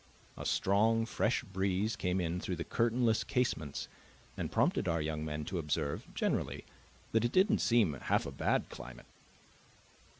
A strong, fresh breeze came in through the curtainless casements and prompted our young men to observe, generally, that it didn't seem half a bad climate.